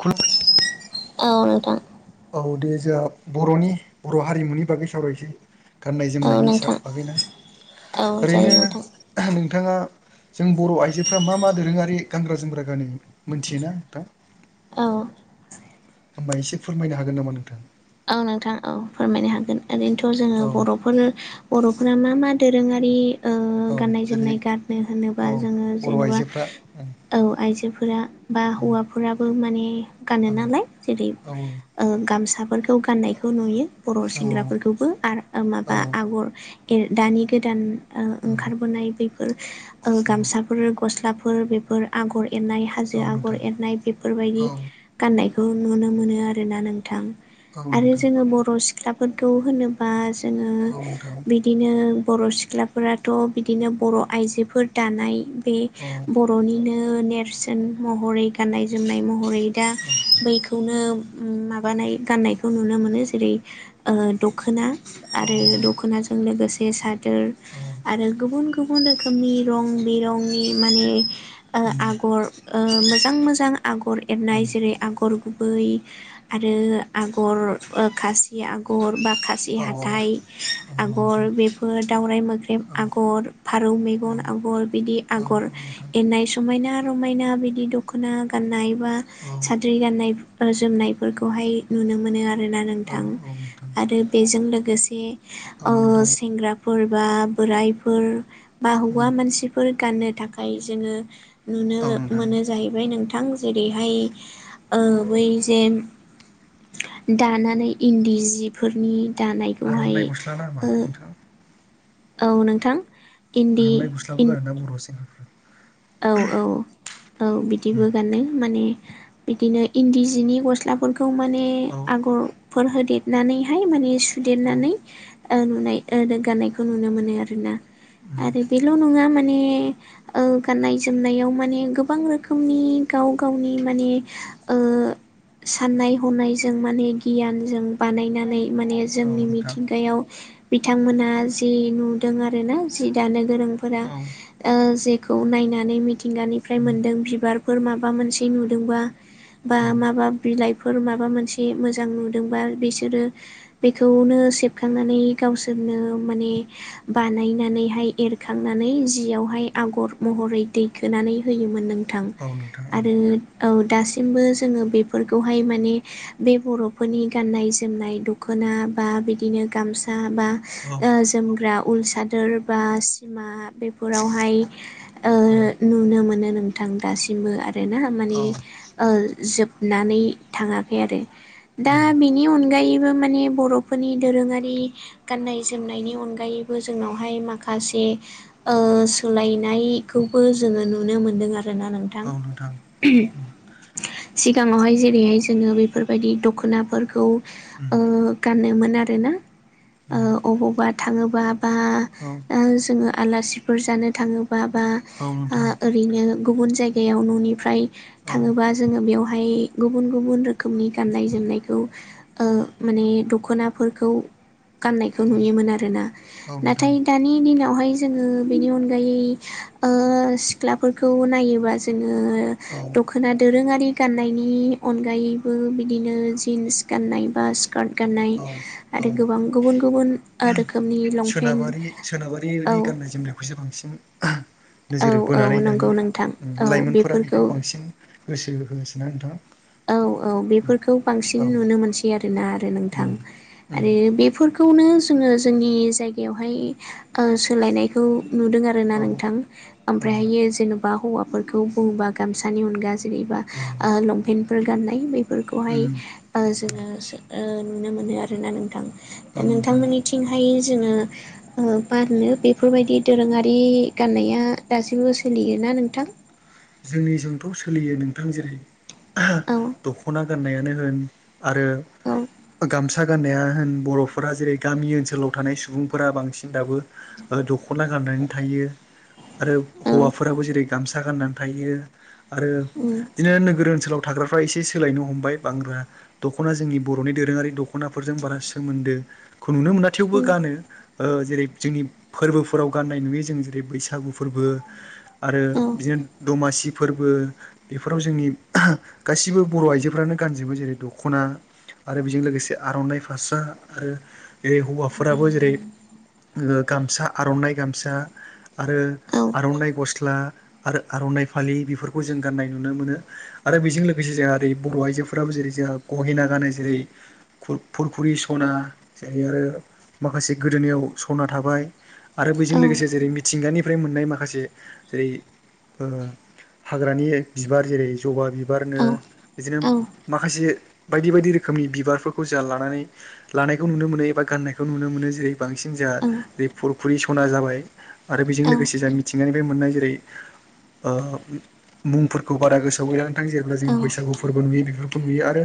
खुलु औ नोंथां औ दे जोंहा बर'नि बर' हारिमुनि बागै सावरायसै गाननाय औ जोमनायनि सा नोंथां बागैना औ जायो ओरैनो नोंथां नोंथाङा जों बर' आइजोफ्रा मा मा दोरोङारि गानग्रा जोमग्रा गानो मोनथियोना नोंथां औ होनबा एसे फोरमायनो हागोन नामा नोंथां औ नोंथां औ फोरमायनो हागोन ओरैनोथ' जोङो औ बर'फोर बर' मा मा दोरोङारि ओ औ गाननाय जेरै जोमनाय गारनो औ होनोबा जोङो बर' जेनेबा आइजोफ्रा ओं औ आइजोफोरा बा हौवाफोराबो माने औ गानो नालाय जेरै औ ओ गामसाफोरखौ गाननायखौ नुयो बर' औ सेंग्राफोरखौबो आरो औ माबा आगर दानि गोदान आ औ ओंखारबोनाय बेफोर गामसाफोर गस्लाफोर बेफोर आगर एरनाय औ हाजो आगर नोंथां एरनाय औ बेफोरबायदि गाननाय ब खौ नुनो मोनो आरोना नोंथां औ आरो नोंथां जोङो बर' सिख्लाफोरखौ होनोबा जोङो औ नोंथां बिदिनो बर' सिख्लाफोराथ' बिदिनो बर' आइजोफोर दानाय बे औ बर'निनो नों नेरसोन महरै गाननाय जोमनाय महरै दा बैखौ खौनो माबानाय गाननायखौ नुनो मोनो जेरै ओ दख'ना आरो दख'नाजों लोगोसे सादोर औ आरो गुबुन गु बुन रोखोमनि रं बिरंनि माने ओ आगर ओ मोजां मोजां आगर एरनाय जेरै आगर गुबै आरो आ गर खासि आगर बा खासि औ हाथाइ औ नोंथां आगर बेफोर दावराइ मोख्रेब औ आगर फारौ औ मेगन आगर बिदि औ आगर नोंथां एरनाय समायना रमायना बिदि दख'ना गाननाय बा औ साद्रि गाननाय जोमनायफोरखौहाय नुनो मोनो आरोना औ नोंथां औ नोंथां आरो बेजों लोगोसे औ ओ नोंथां सेंग्राफोर बा बोरायफोर बा उम हौवा मानसिफोर गाननो थाखाय जोङो नुनो औ नोंथां मोनो जाहैबाय नोंथां थां जेरैहाय ओ बै जे दानानै इनदि जिफोरनि दानायखौहाय आर'नाइ गस्ला ना मा ओ नोंथां औ नोंथां इन्दि आर'नाइ गस्लाबो इन गानोना बर' सेंग्राफ्रा औ औ औ बिदिबो उम गानो माने बिदिनो इनदि जिनि गस्लाफोरखौ माने औ आगर फोर होदेरनानैहाय माने औ सुदेरनानै ओ नुनाय दग्गानायखौ नुनो मोनो आरोना उम आरो बेल' नङा मा नि ओं गाननाय जोमनायाव माने गोबां रोखोमनि गाव गावनि माने ओ साननाय हनायजों माने गियानजों बानायनानै माने औ जोंनि नोंथां मिथिंगायाव बिथांमोनहा जि नुदों आरोना जि दानो गोरोंफोरा औ ओ जेखौ नायनानै मिथिंगानिफ्राय उम मोनदों बिबार फोर माबा मोनसे नुदोंबा बा औ माबा बिलाइ फोर माबा मोनसे मोजां नुदोंबा बिसोरो बेखौनो सेबखांनानै गावसोर बिनो माने बानायनानैहाय एरखांनानै जियावहाय आगर महरै दैखोनानै होयोमोन नोंथां औ नोंथां आरो औ दासिमबो जोङो बेफोरखौहाय माने बे बर'फोरनि गाननाय जोमनाय दख'ना बा बिदिनो गामसा बा औ जोमग्रा उल सादोर बा सिमा बेफोरावहाय औ नुनो मोनो नोंथां दासिमबो आरोना औ माने जोब ननानै थाङाखै आरो दा उम बेनि अनगायै बो माने बर'फोरनि दोरोङारि गान्नाय जोमनायनि अनगायैबो जोंनावहाय माखासे सोलायनाय खौबो जोङो नुनो मोनदों आरोना नोंथां उम सिगाङावहाय जेरैहाय जोङो बेफोरबायदि दख'नाफोरखौ उम गानोमोन आरो आरोना उम अबावबा थाङोबा बा औ ओ जोङो आलासिफोर जानो थाङोबा बा औ ओ नोंथां ओरैनो गुबुन जायगायाव न'निफ्राय औ थाङोबा जोङो बेयाव बहाय गुबुन गुबुन रोखोमनि गाननाय जोमनायखौ माने दखनाफोरखौ गाननायखौ औ नुयोमोन आरोना औ नोंथां नाथाय दानि दिनावहाय जोङो बेनि अनगायै सिख्लाफोरखौ नायोबा जों औ दख'ना दोरोङारि गाननायनि अगायैबो बिदिनो जिनस गानाय बा स्कार्ट गाननाय औ औ आरो गोबां गुबुन गुबुन रोखोमनि लंपेन्ट औ नि गाननाय जोमनायखौसो बांसिन औ नोजोर औ बोनानै दानि नंगौ नोंथां औ लाइमोनफोरा बेखौ बेफोरखौ बांसिन गोसो होसिनना नोंथाङा औ औ बेफोरखौ बांसिन नुनो मोनसै आरोना आरो नोंथां उम उम आरो बेफोरखौ बेखौनो जोङो जोंनि जायगायावहाय सोलायनायखौ नुदों आरोना औ नोंथां औ ओमफ्रायहायो जेन'बा हौवाफोरखौ बुङोबा गामसानि अनगायै जों जेनेबा औ लंपेन्टफोर गाननाय बेफोरखौहाय उम जोङो औ नुनो मोनो आरोना नोंथा नोंथां नोंथांनिथिं हाय जोङो बारनो बेफोरबायदि दोरोङारि गाननाया दासिमबो सोलियोना मा नोंथां जोंनिजोंथ' सोलियो नोंथां जेरै औ दख'ना गाननायानो होन आरो औ गामसा फासारा गान्नाया होन बर'फोरा जेरै गामि ओनसोलाव थानाय सुबुंफोरा बांसिन दाबो दख'ना गानो गाननानै थायो आरो औ हौवाफोराबो जेरै गामसा गाननानै थायो आरो उम बिदिनो नोगोर ओनसोलाव थाग्राफ्रा एसे सोलायनो हमबाय बांगग्रा दख'ना जोंनि बर'नि दोरोङारि दख'नाफोरजों बारा सोमोन्दो खौ नुनो मोना थेवबो उम गानो जेरै जोंनि फोरबोफोराव गाननाय नुयो जों जेरै बैसागु फोरबो आरो औ बिदिनो दमासि फोरबो बेफोराव जोंनि गासिबो बर' आइजोफ्रानो गानजोबो जेरै दख'ना आरो बेजों लोगोसे आर'नाइ फास्रा आरो जेरै हौवाफोराबो जेरै गामसा आर'नाइ गामसा आरो औ आर'नाइ गस्ला आरो आर'नाइ फालि बेफोरखौ जों गाननाय नुनो मोनो आरो बेजों लोगोसे जोंहा ओरै बर' आइजोफोराबो जेरै जोंहा गहेना गानो जेरै फुरखुरि सना जेरै आरो माखासे गोदोनिायाव सना थाबाय आरो बजों लोगोसे जेरै मिथिंगानिफ्राय मोननाय माखासे जेरै हाग्रानि बिबार जेरै जबा बिबारनो बिदिनो माखासे बायदि बायदि रोखोमनि बिबारफोरखौ जों लानानै लानायखौ नुनो मोनो एबा गाननायखौ नुनो मोनो जेरै बांसिन जोंहा फुरखुरि सना जाबाय आरो बेजों लोगोसे जों मिथिंगानि फ्राय जेरै मोननाय जेरै मुंफोरखौ बारा गोसोआव गैला आं जेब्ला जों बैसागु फोरबो नुयो बेफोरखौ नुयो आरो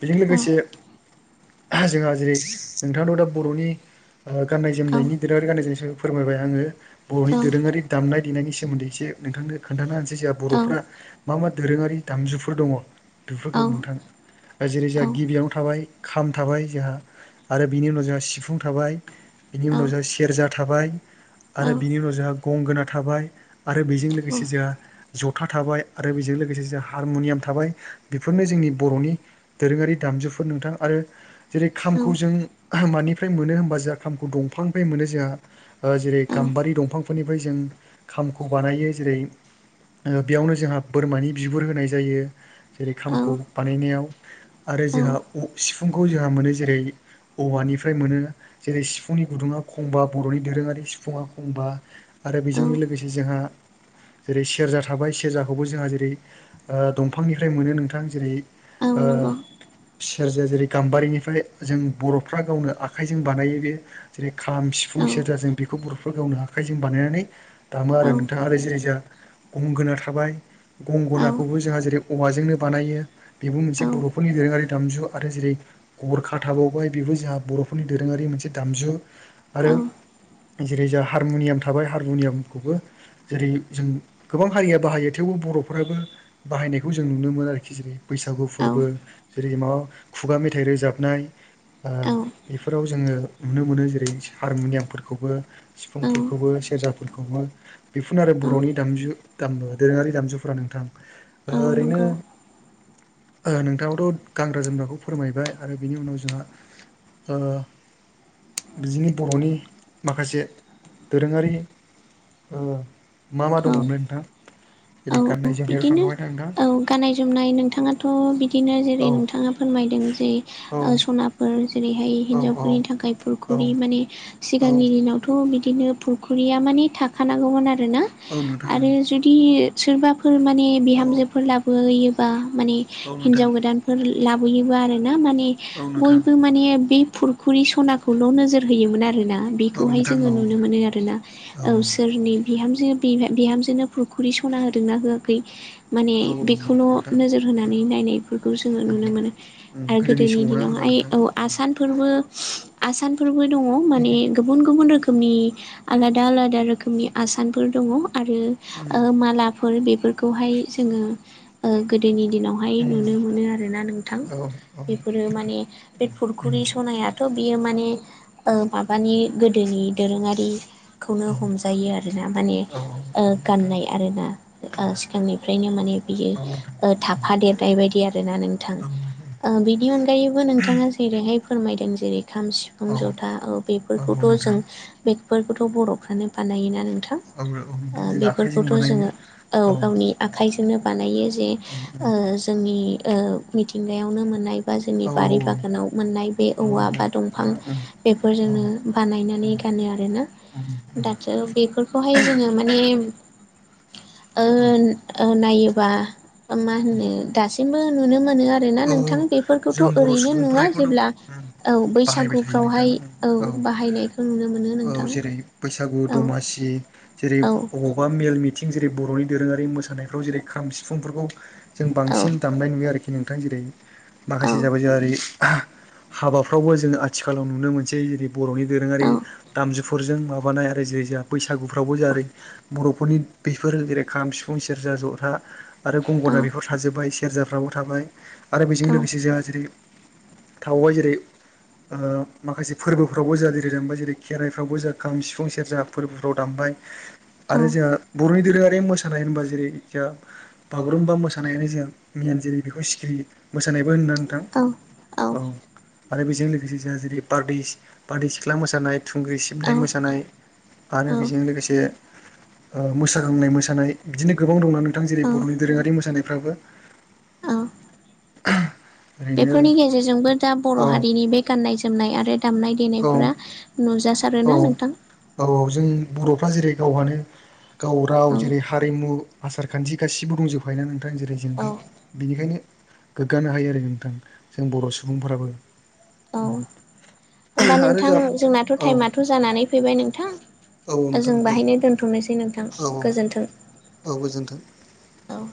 बेजों लोगोसे जोंहा जेरै नोंथांनाव दा बर'नि गाननाय जोमनायनि दोरोहारि गाननाय जोमनाय सोमोन्दै फोरमायबाय आङो बर'नि दोरोङारि दामनाय देनायनि सोमोन्दै एसे नोंथांनो खोन्थानो हो जाहा बर'फ्रा मा मा दोरोङारि दामजुफोर दङ बेफोरखौ नोंथां जेरै जोंहा गिबियावनो थाबाय खाम थाबाय जोंहा आरो बिनि उनाव जोंहा सिफुं थाबाय बिनि उनाव जोंहा सेरजा थाबाय आरो बिनि उनाव जोंहा गंगोना थाबाय आरो बेजों लोगोसे जोंहा ज था थाबाय आरो बेजों लोगोसे जों हारमुनियाम थाबाय बेफोरनो जोंनि बर'नि दोरोङारि दामजु फोर नोंथां आरो जेरै खामखौ जों मानिफ्राय मोनो होनबा जोंहा खामखौ दंफांनिफ्राय मोनो जोंहा जेरै गाम्बारि दंफांफोरनिफ्राय जों खाम खौ बानायो जेरै बेयावनो जोंहा बोरमानि बिगुर होनाय जायो। जेरै खामखौ बानायनायाव आरो जोंहा सिफुंखौ जोंहा मोनो जेरै औवानिफ्राय मोनो जेरै सिफुंनि गुदुङा खंबा बर'नि दोरोङारि सिफुङा फंबा आरो बेजोंनो लोगोसे जोंहा जेरै सेरजा थाबाय सेरजाखौबो जोंहा जेरै दंफांनिफ्राय मोनो नोंथां जेरै ओ सेरजाया जेरै गाम्बारिनिफ्राय जों बर'फ्रा गावनो आखाइजों बानायो बे जेरै खाम सिफुं सेरजा जों बेखौ बर'फ्रा गावनो आखाइजों बानायनानै दामो आरो नोंथाङा रायजो रोजा गंगोना थाबाय गंगोनाखौबो जोंहा जेरै औवाजोंनो बानायो। बेबो मोनसे बर'फोरनि दोरोङारि दामजु आरो जेरै गरखा थाबावबाय बेबो जोंहा बर'फोरनि दोरोङारि मोनसे दामजु आरो जेरै जोंहा हारमुनियाम थाबाय हारमुनियाम खौबो जेरै जों गोबां हारिया बाहायो थेवबो बर'फोराबो बाहायनायखौ जों नुनो मो नो आरोखि जै बैसागु फोरबो जेरै माबा खुगा मेथाइ रोजाबनाय आ बेफोराव जोङो नुनो मोनो जेरै हारमुनियामफोरखौबो सिफुंफोरखौबो सेरजाफोरखौबो बेफोरनो आरो बर'नि दामजु दाम दोरोङारि दामजुफोरा नोंथां ओरैनो नंगौ नोंथाङाबोथ' गानग्रा जोमग्राखौ फोरमायबाय आरो बिनि उनाव जोंहा ओ बिदिनि बर'नि माखासे दोरोङारि मा मा औ दङमोनला नोंथां जेरै औ गाननाय जोमनायाव बिदिनो थांखाबाय ना नोंथां औ गाननाय जोमनाय नोंथाङाथ' बिदि नो औ जेरै नोंथाङा फोरमायदों जे औ सनाफोर जेरैहाय औ औ हिनजावफोरनि थाखाय औ फुरखुरि माने औ सिगांनि दिनावथ' बिदिनो फुखुरिया मान थाखानांगौ आरोना औ नोंथां आरो जुदि सोरबा फोर माने औ बिहामजोफोर लाबोयोबा माने औ नोंथां हिनजाव गोदानफोर लाबोयोबा आरो ना माने औ नोंथां बयबो माने बे फुरखुरि सनाखौल' नोजोर होयोमोन आरोना औ बेहाय नोंथां जोङो औ नुनो मोनो आरोना औ सोरनि बिहाम जोनो फुरखुरि सना होदोंना होआखै माने औ बेखौल' नोंथां नोजोर होनानै नायनायफोरखौ जोङो नुनो मोनो आरो गोदोनि समाव ना होमबा दिनावहाय नोंथां औ आसानफोरबो आसानफोरबो दङ माने गुबुन गुबुन रो खोमनि आलादा आलादा रोखोमनि आसानफोर दङ आरो ओ मा फोर बेफोरखौहाय जोङो गोदोनि दिनावहाय नुनो मोनो आरोना नोंथां बेफोरो माने बे फुरखुरि सनायाथ' बियो माने माबानि गोदोनि दोरोङारि खौनो हमजायो आरोना माने औ औ नोंथां गाननाय आरोना सिगांनिफ्रायनो माने औ नोंथां बियो थाफा देरनाय बायदि आरोना नोंथां अह बिनि अनगायैबो नोंथाङा जेरैहाय फोरमायदों जेरै खाम सिफुं औ जथा औ बेफोरखौथ' जों नोंथां बे बेफोरखौथ' बर'फ्रानो बानायोना औ औ जों आखायजों खौथ जोङो औ गावनि आखाइ नो बे जे मिथिंगायावनो मोननाय बा जोंनि औ बारि औ बागानाव मोननाय बे औ औवा बा दंफां नोंथां उम औ बेफोरजोंनो उम बानायनानै ग गानो आरोना उम दाथ' बेफोरखौहाय जोङो माने औ ओ नायोबा मा होनो दासिमबो नुनो मोनो मोनो आरोना औ औ नोंथां बेफोरखौथ' जों बर' ओरैनो सुबुंफ्रा नुङा बेखौथ' उम जेब्ला औ बाहायबाय थायो नोंथां बैसागुफ्रावहाय उम औ बाहायनायखौ नुनो मोनो औ नोंथां जेरै बैसागु औ दमासि जेरै औ बबावबा मेल मिथिं जेरै बर'नि दोरोङारि मोसानायफ्राव जेरै खाम सिफुंफोरखौ जों औ बांसिन दामनाय नुयो आरोखि नोंथां जेरै औ माखासे जाबाय जोङो ओरै हाबाफ्रावबो जोङो आथिखालाव नुनो मोनसै जेरै बर'नि दोरोङारि दामजु फोरजों माबानाय आरो जेरै जोंहा बैसागुफ्रावबो जेरै बर'फोरनि बेफोर जेरै खाम सिफुं सेरजा सेरजा जथा आरो औ गंगोना बेफोर थाजोब्बाय सेरजाफ्राबो थाबाय आरो बेजों लोगोसे जोंहा जेरै थाबावबाय जेरै ओ माखासे फोरबोफ्रावबो जा जेरै दामबाय जेरै खेराइफ्रावबो जा खाम सिफुं सेरजा फोरबोफ्राव दामबाय औ आरो जोंहा बर'नि दोरोङारि मोसानाय होनबा जेरै जोंहा बागुरुम्बा मोसानायानो मेन [unintelligible] सिखिरि मोसानायबो होनना नोंथां औ औ आरो बेजों लोगोसे जोंहा जेरै बारदै बारदै सिख्ला मोसानाय थुंग्रि औ सिबनाय मोसानाय आरो बेजों औ लोगोसे ओ मोसाग्लांनाय मोसानाय बिदिनो गोबां दंना नोंथां जेरै बर'नि औ दोरोङारि मोसानाय फ्राबो ओ [inaudible] बेफोरनि गेजेरजोंबो दा बर' औ हारिनि बे गाननाय जोमनाय आरो दामनाय औ देनायफोरा नुजासै औ औ औ जों बर'फ्रा जेरै गावहानो गाव राव औ जेरै हारिमु आसारखान्थि गासिबो दंजोबखायोना नोंथां नोंथां जेरै जोंबो औ बिनिखायनो गोग्गानो हायो आरो नोंथां जों बर' सुबुंफोराबो औ होमबा आरो नोंथां जों जोंनाथ' औ टाइमाथ' जानानै फैबाय नोंथां औ जों नोंथां दे बाहायनो दोन्थ' नोसै नोंथां औ गोजोन्थों औ गोजोन्थों औ